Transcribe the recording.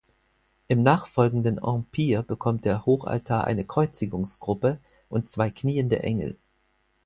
Im nachfolgenden Empire bekommt der Hochaltar eine Kreuzigungsgruppe und zwei kniende Engel.